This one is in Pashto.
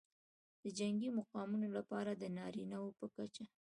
د جنګي مقامونو لپاره د نارینه وو په کچه